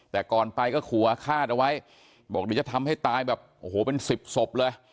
แต่ก่อนไปก็ขู่อาฆาตเอาไว้บอกเดี๋ยวจะทำให้ตายแบบโอ้โหเป็นสิบศพเลย